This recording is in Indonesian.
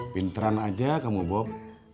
pinteran aja kamu bob